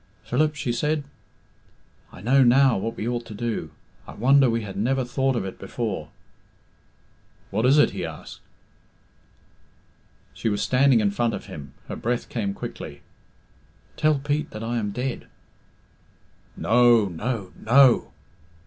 "Philip," she said, "I know now what we ought to do. I wonder we have never thought of it before." "What is it?" he asked. She was standing in front of him. Her breath came quickly. "Tell Pete that I am dead." "No, no, no."